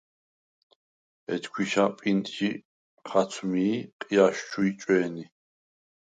ეჯ ქვიშა პინტჟი ხაცვმი ი ყიჲას ჩუ იჭვე̄ნი.